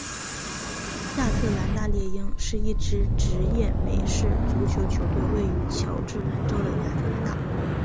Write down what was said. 亚特兰大猎鹰是一支职业美式足球球队位于乔治亚州的亚特兰大。